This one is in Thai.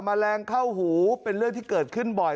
แมลงเข้าหูเป็นเรื่องที่เกิดขึ้นบ่อย